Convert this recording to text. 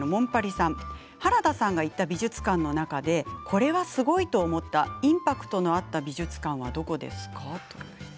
原田さんが行った美術館の中でこれはすごいと思ったインパクトがあった美術館はどこですか？